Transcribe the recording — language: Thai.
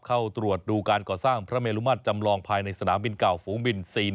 เข้าตรวจดูการก่อสร้างพระเมลุมาตรจำลองภายในสนามบินเก่าฝูงบิน๔๑